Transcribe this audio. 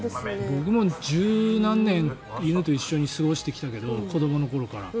僕も１０何年犬と一緒に過ごしてきたけど子どもの頃から。